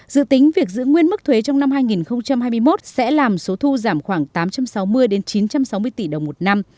dự tính việc giữ nguyên mức thuế trong năm hai nghìn hai mươi một sẽ làm số thu giảm khoảng tám trăm sáu mươi chín trăm sáu mươi tỷ đồng một năm